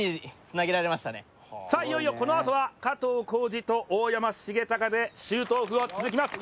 いよいよこのあとは加藤浩次と大山重隆でシュートオフ、続きます。